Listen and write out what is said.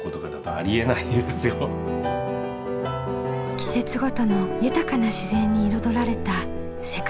季節ごとの豊かな自然に彩られた世界遺産の麓。